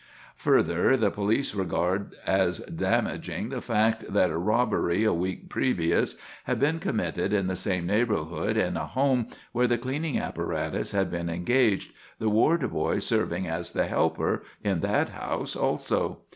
Further, the police regarded as damaging the fact that a robbery a week previous had been committed in the same neighbourhood in a home where the cleaning apparatus had been engaged, the Ward boy serving as the helper in that house also.